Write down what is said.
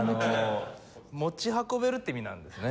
持ち運べるっていう意味なんですね